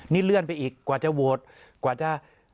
นี่เลื่อนไปอีกกว่าจะโหวตกว่าจะ